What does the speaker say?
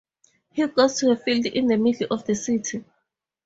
He goes to a field in the middle of the city.